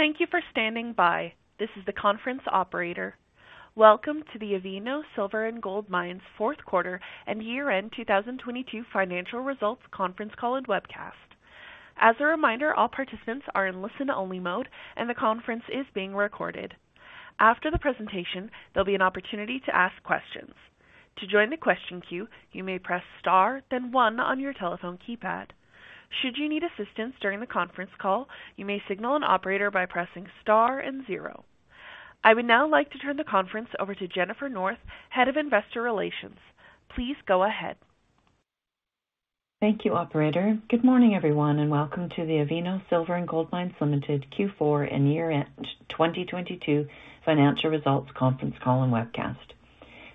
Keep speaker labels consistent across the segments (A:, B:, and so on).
A: Thank you for standing by. This is the conference operator. Welcome to the Avino Silver and Gold Mines fourth quarter and year-end 2022 financial results conference call and webcast. As a reminder, all participants are in listen-only mode, and the conference is being recorded. After the presentation, there'll be an opportunity to ask questions. To join the question queue, you may press star, then one on your telephone keypad. Should you need assistance during the conference call, you may signal an operator by pressing star and zero. I would now like to turn the conference over to Jennifer North, Head of Investor Relations. Please go ahead.
B: Thank you, operator. Good morning, everyone, welcome to the Avino Silver and Gold Mines Ltd. Q4 and year-end 2022 financial results conference call and webcast.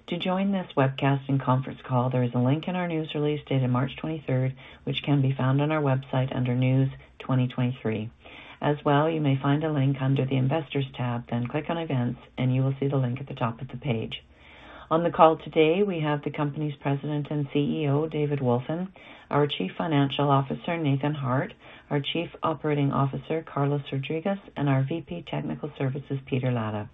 B: To join this webcast and conference call, there is a link in our news release dated March 23rd, which can be found on our website under News 2023. As well, you may find a link under the Investors tab, then click on Events, you will see the link at the top of the page. On the call today, we have the company's President and CEO, David Wolfin; our Chief Financial Officer, Nathan Harte; our Chief Operating Officer, Carlos Rodriguez, and our VP Technical Services, Peter Latta.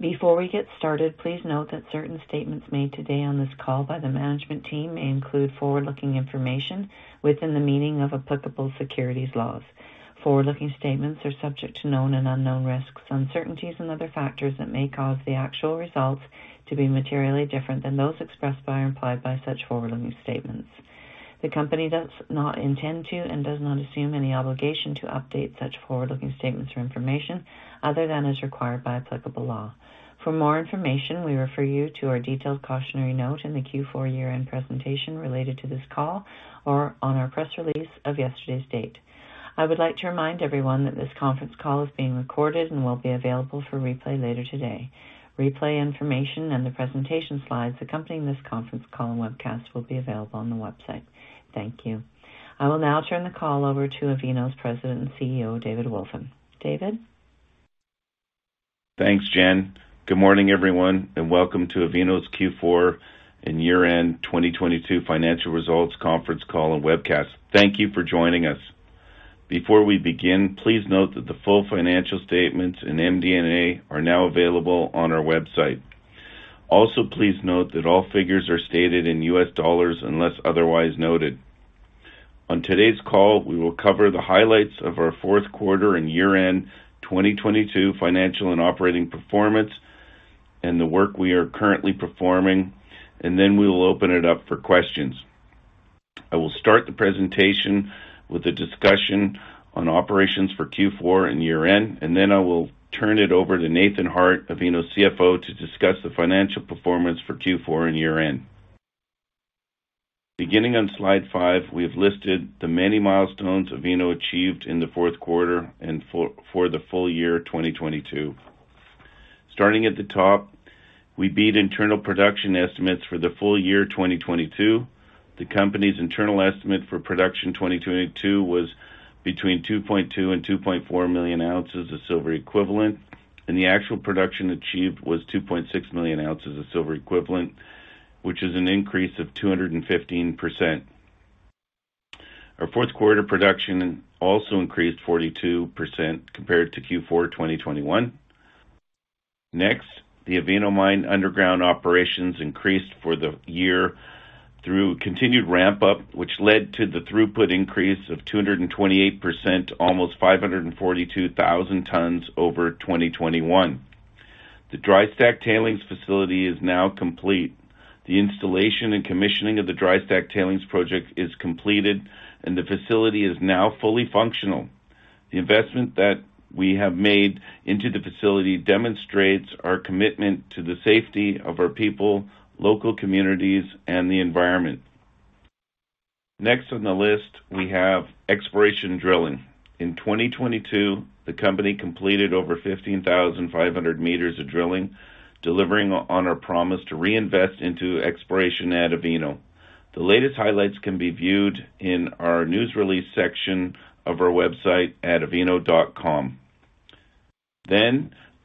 B: Before we get started, please note that certain statements made today on this call by the management team may include forward-looking information within the meaning of applicable securities laws. Forward-looking statements are subject to known and unknown risks, uncertainties, and other factors that may cause the actual results to be materially different than those expressed by or implied by such forward-looking statements. The Company does not intend to and does not assume any obligation to update such forward-looking statements or information other than as required by applicable law. For more information, we refer you to our detailed cautionary note in the Q4 year-end presentation related to this call or on our press release of yesterday's date. I would like to remind everyone that this conference call is being recorded and will be available for replay later today. Replay information and the presentation slides accompanying this conference call and webcast will be available on the website. Thank you. I will now turn the call over to Avino's President and CEO, David Wolfin. David?
C: Thanks, Jen. Good morning, everyone, welcome to Avino's Q4 and year-end 2022 financial results conference call and webcast. Thank you for joining us. Before we begin, please note that the full financial statements in MD&A are now available on our website. Also, please note that all figures are stated in U.S. dollars unless otherwise noted. On today's call, we will cover the highlights of our fourth quarter and year-end 2022 financial and operating performance and the work we are currently performing, and then we will open it up for questions. I will start the presentation with a discussion on operations for Q4 and year-end, and then I will turn it over to Nathan Harte, Avino's CFO, to discuss the financial performance for Q4 and year-end. Beginning on slide five, we have listed the many milestones Avino achieved in the fourth quarter and for the full year 2022. Starting at the top, we beat internal production estimates for the full year 2022. The company's internal estimate for production 2022 was between 2.2 and 2.4 million ounces of silver equivalent, and the actual production achieved was 2.6 million ounces of silver equivalent, which is an increase of 215%. Our fourth quarter production also increased 42% compared to Q4 2021. The Avino Mine underground operations increased for the year through continued ramp-up, which led to the throughput increase of 228%, almost 542,000 tons over 2021. The Dry-Stack Tailings Facility is now complete. The installation and commissioning of the dry-stack tailings project is completed, and the facility is now fully functional. The investment that we have made into the facility demonstrates our commitment to the safety of our people, local communities, and the environment. Next on the list, we have exploration drilling. In 2022, the company completed over 15,500 meters of drilling, delivering on our promise to reinvest into exploration at Avino. The latest highlights can be viewed in our news release section of our website at avino.com.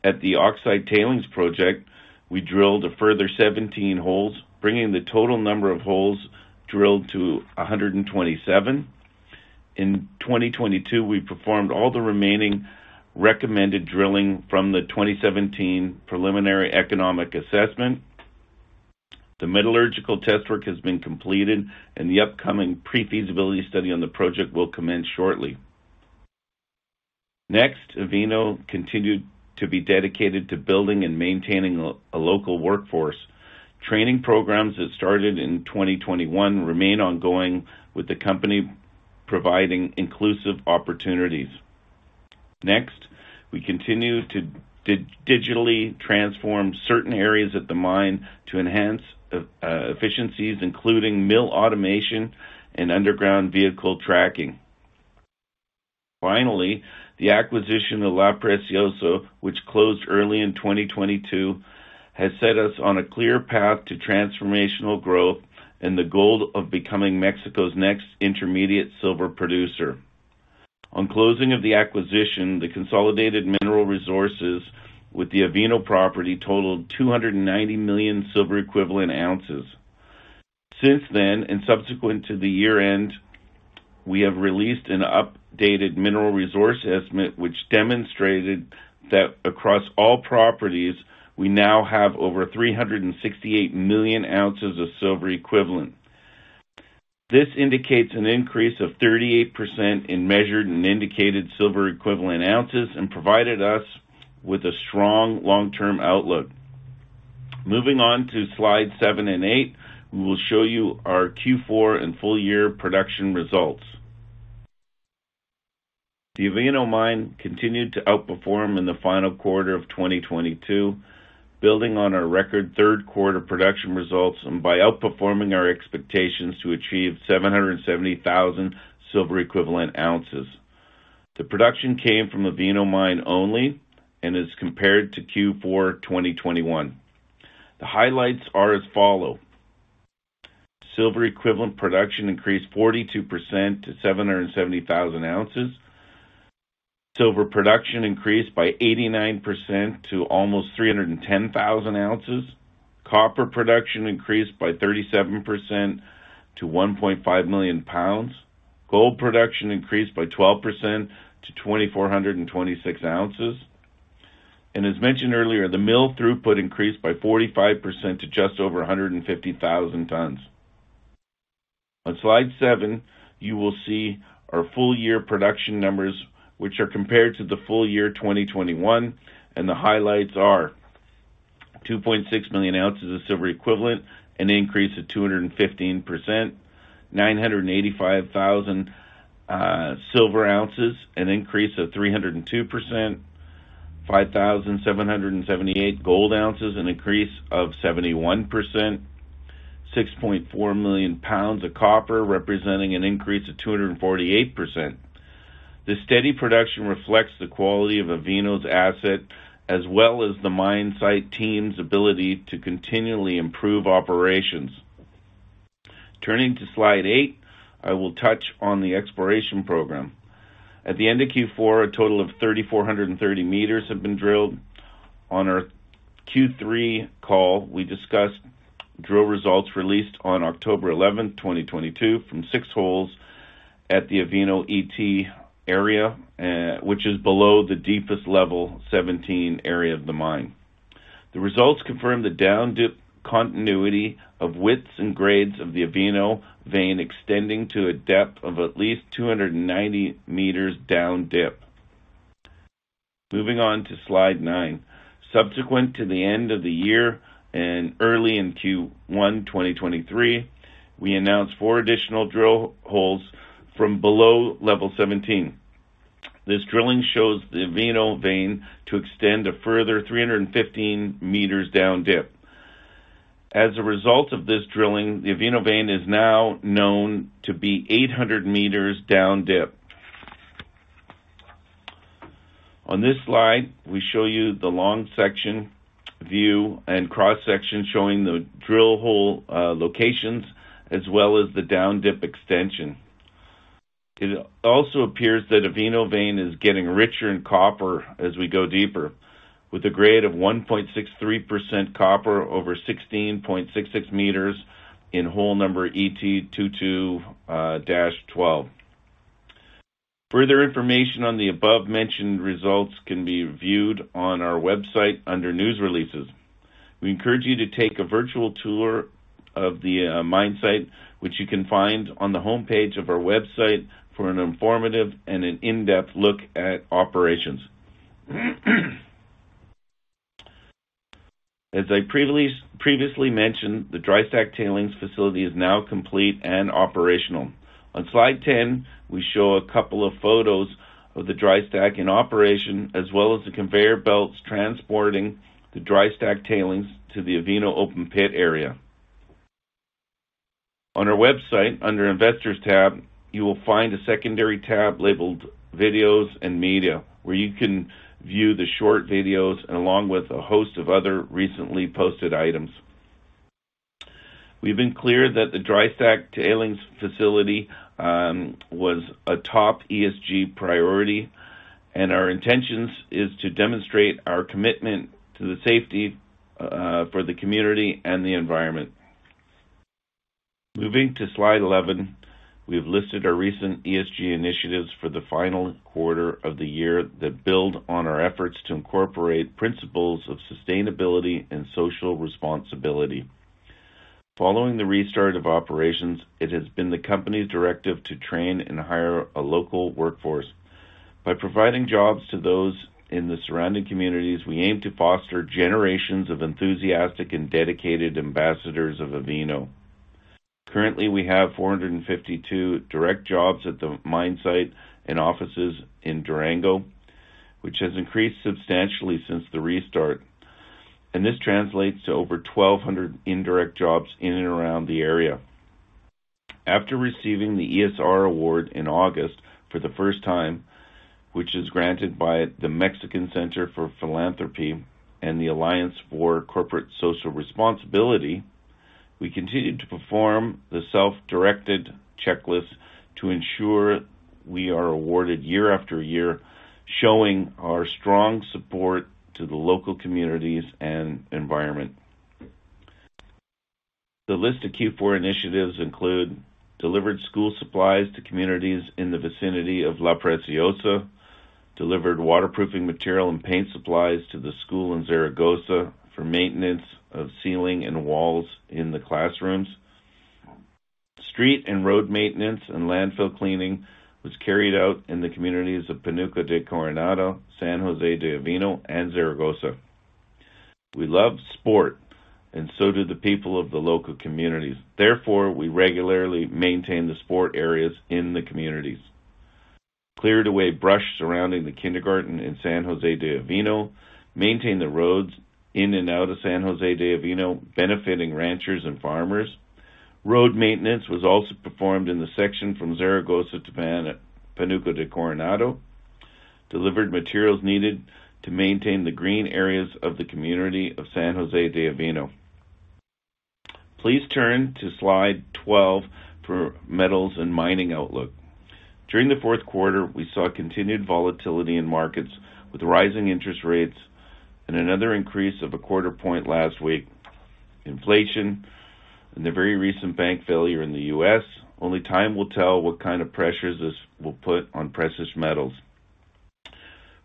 C: At the Oxide Tailings Project, we drilled a further 17 holes, bringing the total number of holes drilled to 127. In 2022, we performed all the remaining recommended drilling from the 2017 preliminary economic assessment. The metallurgical test work has been completed and the upcoming pre-feasibility study on the project will commence shortly. Next, Avino continued to be dedicated to building and maintaining a local workforce. Training programs that started in 2021 remain ongoing with the company providing inclusive opportunities. Next, we continue to digitally transform certain areas at the mine to enhance efficiencies, including mill automation and underground vehicle tracking. Finally, the acquisition of La Preciosa, which closed early in 2022, has set us on a clear path to transformational growth and the goal of becoming Mexico's next intermediate silver producer. On closing of the acquisition, the consolidated mineral resources with the Avino property totaled 290 million silver equivalent ounces. Since then, and subsequent to the year-end, we have released an updated mineral resource estimate, which demonstrated that across all properties, we now have over 368 million ounces of silver equivalent. This indicates an increase of 38% in measured and indicated silver equivalent ounces and provided us with a strong long-term outlook. Moving on to slide seven and eight, we will show you our Q4 and full year production results. The Avino Mine continued to outperform in the final quarter of 2022, building on our record third quarter production results and by outperforming our expectations to achieve 770,000 silver equivalent ounces. The production came from Avino Mine only and is compared to Q4 2021. The highlights are as follow. Silver equivalent production increased 42% to 770,000 ounces. Silver production increased by 89% to almost 310,000 ounces. Copper production increased by 37% to 1.5 million pounds. Gold production increased by 12% to 2,426 ounces. As mentioned earlier, the mill throughput increased by 45% to just over 150,000 tons. On slide seven, you will see our full year production numbers, which are compared to the full year 2021. The highlights are 2.6 million ounces of silver equivalent, an increase of 215%. 985,000 silver ounces, an increase of 302%. 5,778 gold ounces, an increase of 71%. 6.4 million pounds of copper, representing an increase of 248%. The steady production reflects the quality of Avino's asset, as well as the mine site team's ability to continually improve operations. Turning to slide eight, I will touch on the exploration program. At the end of Q4, a total of 3,430 meters have been drilled. On our Q3 call, we discussed drill results released on October 11, 2022 from six holes at the Avino ET area, which is below the deepest level 17 area of the mine. The results confirm the down-dip continuity of widths and grades of the Avino Vein extending to a depth of at least 290 meters down dip. Moving on to slide nine. Subsequent to the end of the year and early in Q1 2023, we announced four additional drill holes from below level 17. This drilling shows the Avino Vein to extend a further 315 meters down dip. As a result of this drilling, the Avino Vein is now known to be 800 meters down dip. On this slide, we show you the long section view and cross-section showing the drill hole locations as well as the down-dip extension. It also appears that Avino Vein is getting richer in copper as we go deeper with a grade of 1.63% copper over 16.66 meters in hole number ET 22-12. Further information on the above-mentioned results can be viewed on our website under News Releases. We encourage you to take a virtual tour of the mine site, which you can find on the homepage of our website for an informative and an in-depth look at operations. As I previously mentioned, the Dry-Stack Tailings Facility is now complete and operational. On slide 10, we show a couple of photos of the dry stack in operation, as well as the conveyor belts transporting the dry-stack tailings to the Avino open pit area. On our website, under Investors tab, you will find a secondary tab labeled Videos and Media, where you can view the short videos along with a host of other recently posted items. We've been clear that the Dry-Stack Tailings Facility was a top ESG priority, Our intentions is to demonstrate our commitment to the safety for the community and the environment. Moving to slide 11, we have listed our recent ESG initiatives for the final quarter of the year that build on our efforts to incorporate principles of sustainability and social responsibility. Following the restart of operations, it has been the company's directive to train and hire a local workforce. By providing jobs to those in the surrounding communities, we aim to foster generations of enthusiastic and dedicated ambassadors of Avino. Currently, we have 452 direct jobs at the mine site and offices in Durango, which has increased substantially since the restart. This translates to over 1,200 indirect jobs in and around the area. After receiving the ESR Award in August for the first time, which is granted by the Mexican Center for Philanthropy and the Alliance for Corporate Social Responsibility, we continued to perform the self-directed checklist to ensure we are awarded year after year. Showing our strong support to the local communities and environment. The list of Q4 initiatives include delivered school supplies to communities in the vicinity of La Preciosa, delivered waterproofing material and paint supplies to the school in Zaragoza for maintenance of ceiling and walls in the classrooms. Street and road maintenance and landfill cleaning was carried out in the communities of Pánuco de Coronado, San José de Avino, and Zaragoza. We love sport, and so do the people of the local communities. Therefore, we regularly maintain the sport areas in the communities. Cleared away brush surrounding the kindergarten in San José de Avino. Maintained the roads in and out of San José de Avino, benefiting ranchers and farmers. Road maintenance was also performed in the section from Zaragoza to Pánuco de Coronado. Delivered materials needed to maintain the green areas of the community of San José de Avino. Please turn to slide 12 for metals and mining outlook. During the fourth quarter, we saw continued volatility in markets with rising interest rates and another increase of a quarter point last week. Inflation and the very recent bank failure in the U.S., only time will tell what kind of pressures this will put on precious metals.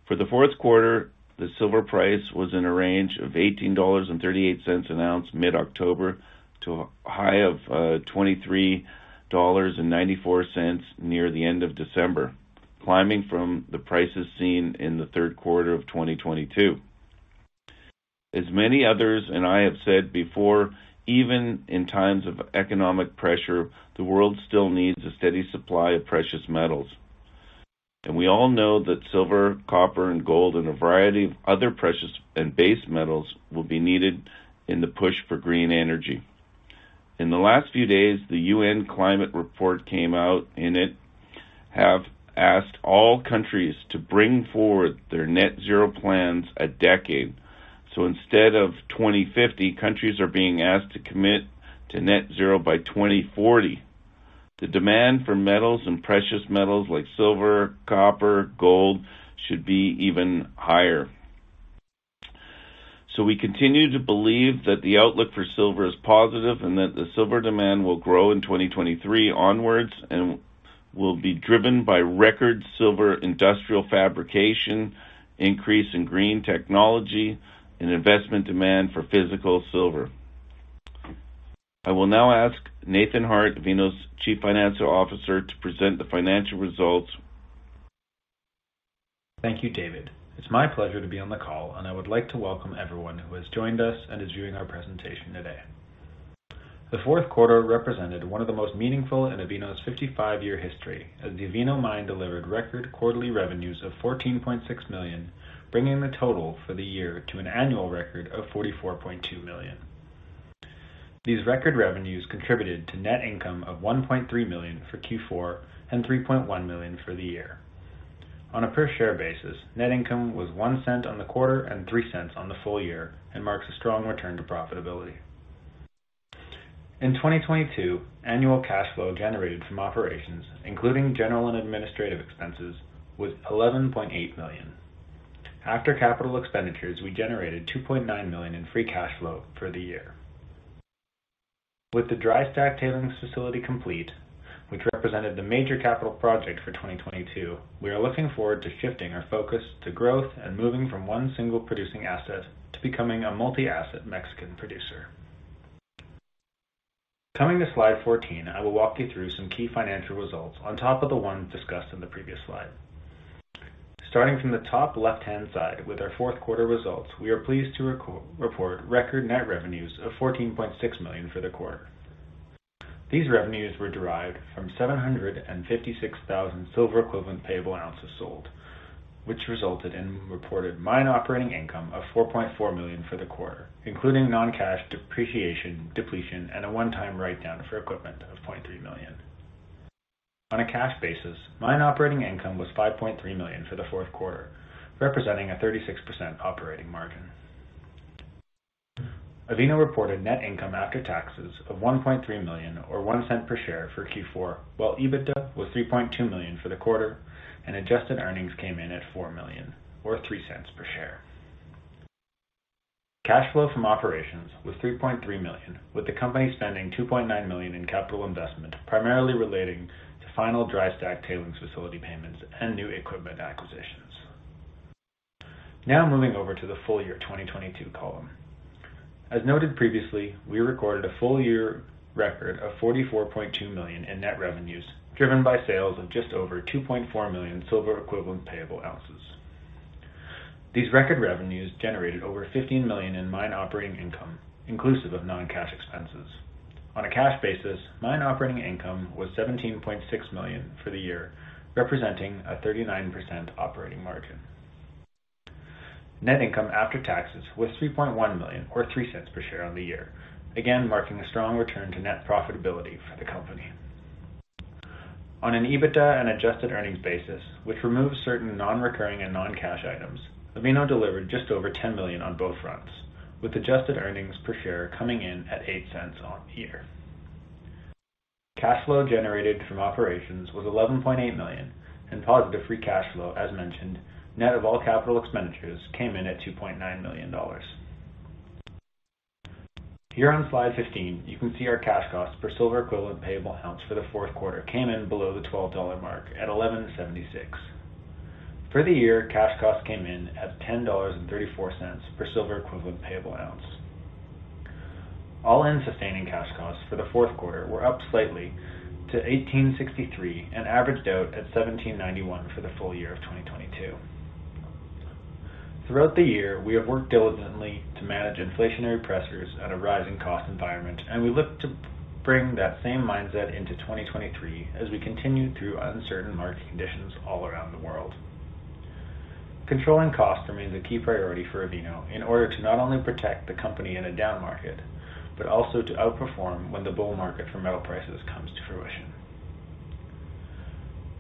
C: For the fourth quarter, the silver price was in a range of $18.38 an ounce mid-October to a high of $23.94 near the end of December, climbing from the prices seen in the third quarter of 2022. As many others and I have said before, even in times of economic pressure, the world still needs a steady supply of precious metals. We all know that silver, copper, and gold and a variety of other precious and base metals will be needed in the push for green energy. In the last few days, the United Nations climate report came out, and it have asked all countries to bring forward their net zero plans a decade. Instead of 2050, countries are being asked to commit to net zero by 2040. The demand for metals and precious metals like silver, copper, gold should be even higher. We continue to believe that the outlook for silver is positive and that the silver demand will grow in 2023 onwards and will be driven by record silver industrial fabrication, increase in green technology, and investment demand for physical silver. I will now ask Nathan Harte, Avino's Chief Financial Officer, to present the financial results.
D: Thank you, David. It's my pleasure to be on the call. I would like to welcome everyone who has joined us and is viewing our presentation today. The fourth quarter represented one of the most meaningful in Avino's 55-year history as the Avino Mine delivered record quarterly revenues of $14.6 million, bringing the total for the year to an annual record of $44.2 million. These record revenues contributed to net income of $1.3 million for Q4 and $3.1 million for the year. On a per share basis, net income was $0.01 on the quarter and $0.03 on the full year and marks a strong return to profitability. In 2022, annual cash flow generated from operations, including general and administrative expenses, was $11.8 million. After capital expenditures, we generated $2.9 million in free cash flow for the year. With the Dry-Stack Tailings Facility complete, which represented the major capital project for 2022, we are looking forward to shifting our focus to growth and moving from one single producing asset to becoming a multi-asset Mexican producer. Coming to slide 14, I will walk you through some key financial results on top of the ones discussed in the previous slide. Starting from the top left-hand side with our fourth quarter results, we are pleased to report record net revenues of $14.6 million for the quarter. These revenues were derived from 756,000 silver equivalent payable ounces sold, which resulted in reported mine operating income of $4.4 million for the quarter, including non-cash depreciation, depletion, and a one-time write-down for equipment of $0.3 million. On a cash basis, mine operating income was $5.3 million for the fourth quarter, representing a 36% operating margin. Avino reported net income after taxes of $1.3 million or $0.01 per share for Q4, while EBITDA was $3.2 million for the quarter and adjusted earnings came in at $4 million or $0.03 per share. Cash flow from operations was $3.3 million, with the company spending $2.9 million in capital investment, primarily relating to final Dry-Stack Tailings Facility payments and new equipment acquisitions. Moving over to the full year 2022 column. As noted previously, we recorded a full year record of $44.2 million in net revenues, driven by sales of just over 2.4 million silver equivalent payable ounces. These record revenues generated over $15 million in mine operating income, inclusive of non-cash expenses. On a cash basis, mine operating income was $17.6 million for the year, representing a 39% operating margin. Net income after taxes was $3.1 million or $0.03 per share on the year, again marking a strong return to net profitability for the company. On an EBITDA and adjusted earnings basis, which removes certain non-recurring and non-cash items, Avino delivered just over $10 million on both fronts, with adjusted earnings per share coming in at $0.08 on the year. Cash flow generated from operations was $11.8 million and positive free cash flow, as mentioned, net of all capital expenditures came in at $2.9 million. Here on slide 15, you can see our cash costs for silver equivalent payable ounce for the fourth quarter came in below the $12 mark at $11.76. For the year, cash cost came in at $10.34 per silver equivalent payable ounce. All-in sustaining cash costs for the fourth quarter were up slightly to $18.63 and averaged out at $17.91 for the full year of 2022. Throughout the year, we have worked diligently to manage inflationary pressures at a rising cost environment, and we look to bring that same mindset into 2023 as we continue through uncertain market conditions all around the world. Controlling costs remains a key priority for Avino in order to not only protect the company in a down market but also to outperform when the bull market for metal prices comes to fruition.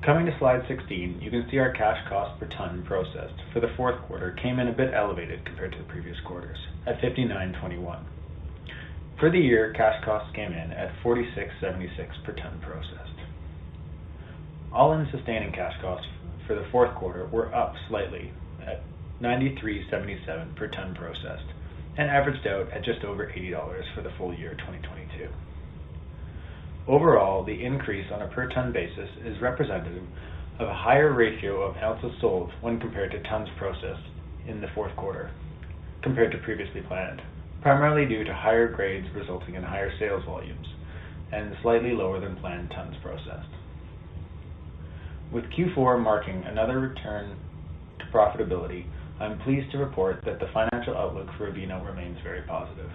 D: Coming to slide 16, you can see our cash cost per tonne processed for the fourth quarter came in a bit elevated compared to the previous quarters at $59.21. For the year, cash costs came in at $46.76 per tonne processed. All-in sustaining cash costs for the fourth quarter were up slightly at $93.77 per tonne processed and averaged out at just over $80 for the full year 2022. Overall, the increase on a per ton basis is representative of a higher ratio of ounces sold when compared to tons processed in the fourth quarter compared to previously planned, primarily due to higher grades resulting in higher sales volumes and slightly lower than planned tons processed. With Q4 marking another return to profitability, I'm pleased to report that the financial outlook for Avino remains very positive.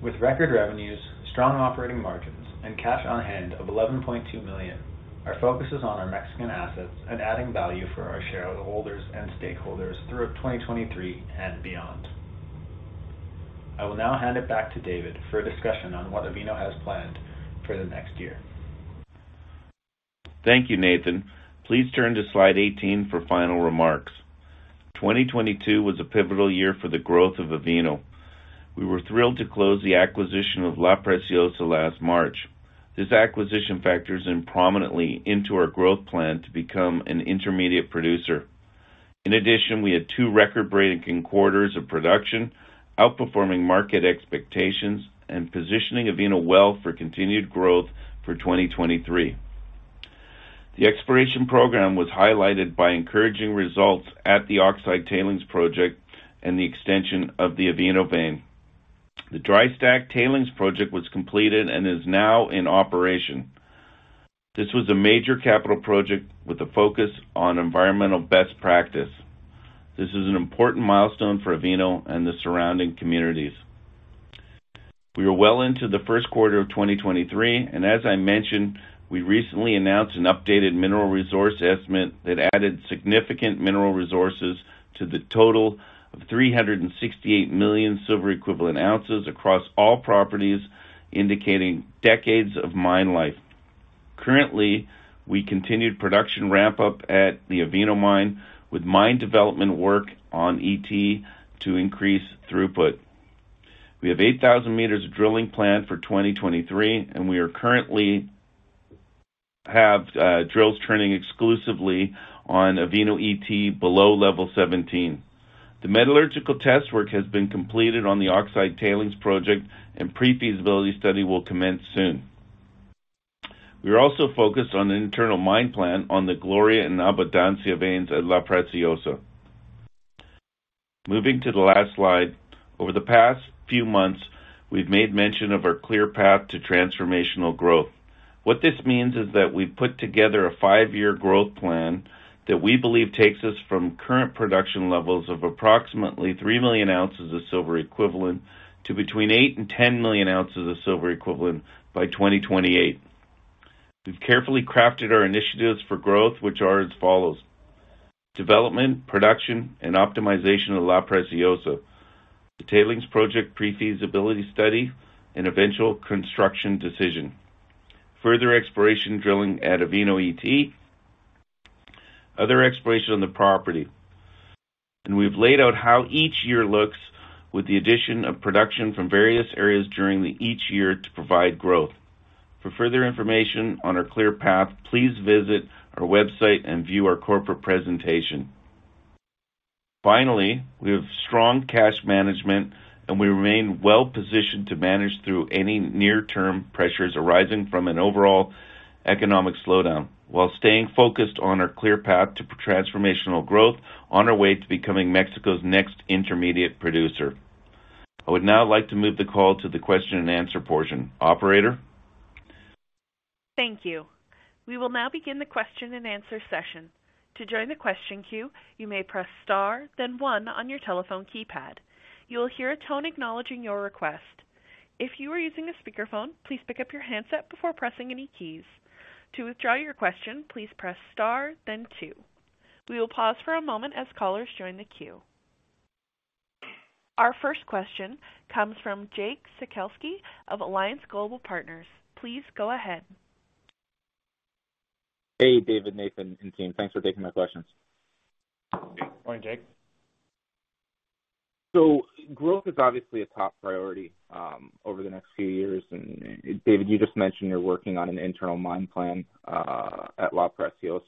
D: With record revenues, strong operating margins, and cash on hand of $11.2 million, our focus is on our Mexican assets and adding value for our shareholders and stakeholders throughout 2023 and beyond. I will now hand it back to David for a discussion on what Avino has planned for the next year.
C: Thank you, Nathan. Please turn to slide 18 for final remarks. 2022 was a pivotal year for the growth of Avino. We were thrilled to close the acquisition of La Preciosa last March. This acquisition factors in prominently into our growth plan to become an intermediate producer. In addition, we had two record-breaking quarters of production, outperforming market expectations and positioning Avino well for continued growth for 2023. The exploration program was highlighted by encouraging results at the Oxide Tailings Project and the extension of the Avino Vein. The dry-stack tailings project was completed and is now in operation. This was a major capital project with a focus on environmental best practice. This is an important milestone for Avino and the surrounding communities. We are well into the first quarter of 2023, and as I mentioned, we recently announced an updated mineral resource estimate that added significant mineral resources to the total of 368 million silver equivalent ounces across all properties, indicating decades of mine life. Currently, we continued production ramp-up at the Avino Mine with mine development work on ET to increase throughput. We have 8,000 meters of drilling planned for 2023, and we are currently have drills turning exclusively on Avino ET below level 17. The metallurgical test work has been completed on the Oxide Tailings Project and pre-feasibility study will commence soon. We are also focused on an internal mine plan on the Gloria and Abundancia veins at La Preciosa. Moving to the last slide. Over the past few months, we've made mention of our clear path to transformational growth. What this means is that we've put together a five-year growth plan that we believe takes us from current production levels of approximately 3 million ounces of silver equivalent to 8 million-10 million ounces of silver equivalent by 2028. We've carefully crafted our initiatives for growth, which are as follows: development, production, and optimization of La Preciosa, the tailings project pre-feasibility study, and eventual construction decision. Further exploration drilling at Avino ET. Other exploration on the property. We've laid out how each year looks with the addition of production from various areas during each year to provide growth. For further information on our clear path, please visit our website and view our corporate presentation. Finally, we have strong cash management, and we remain well positioned to manage through any near-term pressures arising from an overall economic slowdown while staying focused on our clear path to transformational growth on our way to becoming Mexico's next intermediate producer. I would now like to move the call to the question and answer portion. Operator?
A: Thank you. We will now begin the question and answer session. To join the question queue, you may press star then one on your telephone keypad. You will hear a tone acknowledging your request. If you are using a speakerphone, please pick up your handset before pressing any keys. To withdraw your question, please press star then two. We will pause for a moment as callers join the queue. Our first question comes from Jake Sekelsky of Alliance Global Partners. Please go ahead.
E: Hey, David, Nathan, and team. Thanks for taking my questions.
C: Morning, Jake.
E: Growth is obviously a top priority over the next few years. David, you just mentioned you're working on an internal mine plan at La Preciosa.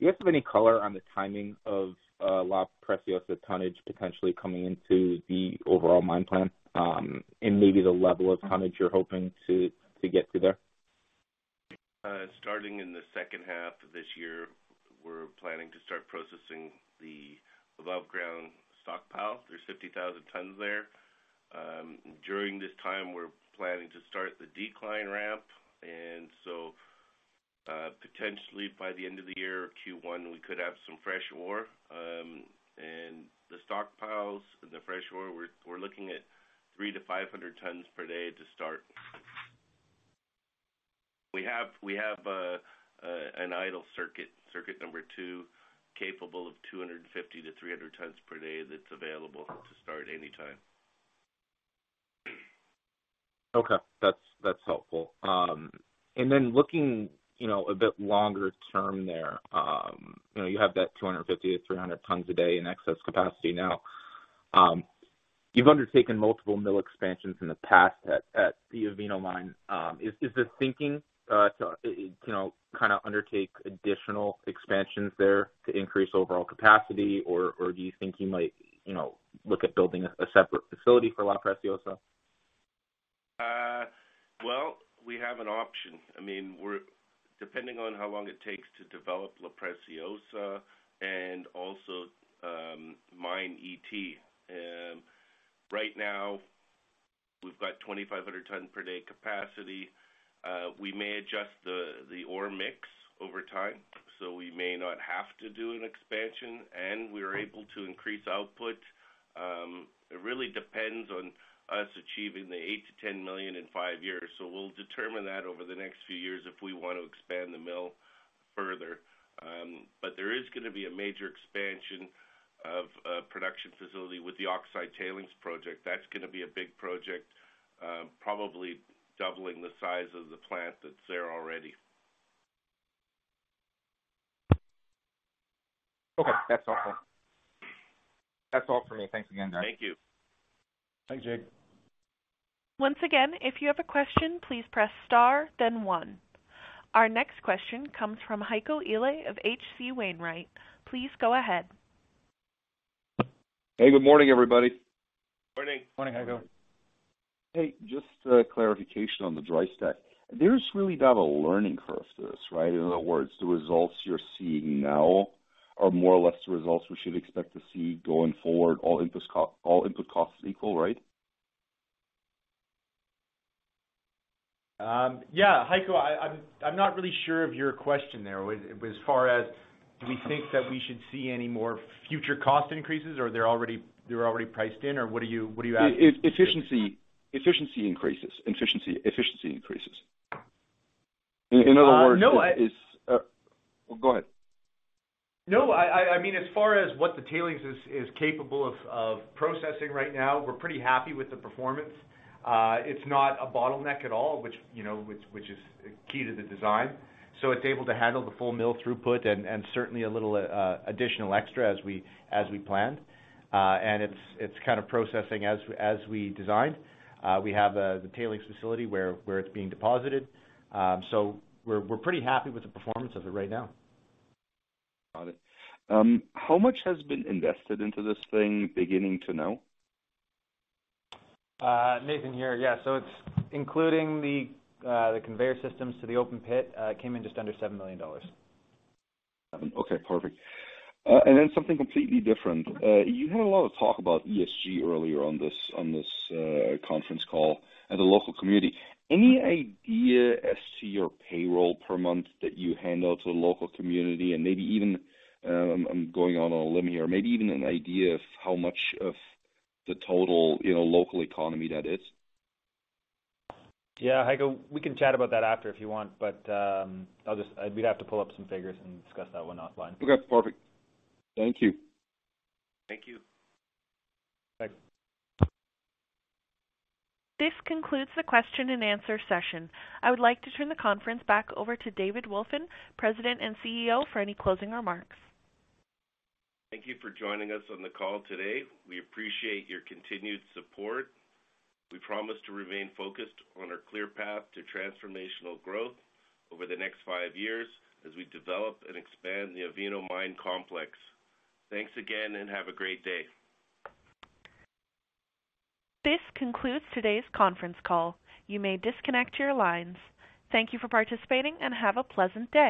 E: Do you have any color on the timing of La Preciosa tonnage potentially coming into the overall mine plan, and maybe the level of tonnage you're hoping to get to there?
C: Starting in the second half of this year, we're planning to start processing the above ground stockpile. There's 50,000 tons there. During this time, we're planning to start the decline ramp. Potentially by the end of the year, Q1, we could have some fresh ore. The stockpiles and the fresh ore, we're looking at 300 tons-500 tons per day to start. We have an idle circuit number two, capable of 250 tons-300 tons per day that's available to start anytime.
E: Okay. That's, that's helpful. Then looking, you know, a bit longer term there, you know, you have that 250 tons-300 tons a day in excess capacity now. You've undertaken multiple mill expansions in the past at the Avino Mine. Is the thinking, kind of undertake additional expansions there to increase overall capacity? Or do you think you might, you know, look at building a separate facility for La Preciosa?
C: Well, we have an option. I mean, depending on how long it takes to develop La Preciosa and also, mine ET. Right now, we've got 2,500 ton per day capacity. We may adjust the ore mix over time, so we may not have to do an expansion, and we are able to increase output. It really depends on us achieving the 8 million-10 million in five years. We'll determine that over the next few years if we want to expand the mill further. There is gonna be a major expansion of a production facility with the Oxide Tailings Project. That's gonna be a big project, probably doubling the size of the plant that's there already.
E: Okay. That's all. That's all for me. Thanks again, guys.
C: Thank you.
D: Thanks, Jake.
A: Once again, if you have a question, please press star then one. Our next question comes from Heiko Ihle of H.C. Wainwright. Please go ahead.
F: Hey, good morning, everybody.
C: Morning.
D: Morning, Heiko.
F: Hey, just a clarification on the dry stack. There's really not a learning curve to this, right? In other words, the results you're seeing now are more or less the results we should expect to see going forward, all input costs equal, right?
D: Yeah. Heiko, I'm, I'm not really sure of your question there. As far as do we think that we should see any more future cost increases or they're already, they're already priced in? What are you, what are you asking?
F: Efficiency increases. Efficiency increases. In other words-
D: No.
F: Is. Go ahead.
D: No. I mean, as far as what the tailings is capable of processing right now, we're pretty happy with the performance. It's not a bottleneck at all, you know, which is key to the design. It's able to handle the full mill throughput and certainly a little additional extra as we planned. It's kind of processing as we designed. We have the tailings facility where it's being deposited. We're pretty happy with the performance of it right now.
F: Got it. How much has been invested into this thing beginning to now?
D: Nathan here. It's including the conveyor systems to the open pit, came in just under $7 million.
F: Okay, perfect. Something completely different. You had a lot of talk about ESG earlier on this, on this conference call and the local community. Any idea as to your payroll per month that you hand out to the local community and maybe even, I'm going on a limb here, maybe even an idea of how much of the total, you know, local economy that is?
D: Yeah. Heiko, we can chat about that after if you want. We'd have to pull up some figures and discuss that one offline.
F: Okay. Perfect. Thank you.
C: Thank you.
D: Thanks.
A: This concludes the question and answer session. I would like to turn the conference back over to David Wolfin, President and CEO, for any closing remarks.
C: Thank you for joining us on the call today. We appreciate your continued support. We promise to remain focused on our clear path to transformational growth over the next five years as we develop and expand the Avino Mine Complex. Thanks again, and have a great day.
A: This concludes today's conference call. You may disconnect your lines. Thank you for participating, and have a pleasant day.